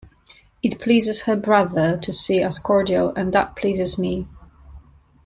It pleases her brother to see us cordial, and that pleases me.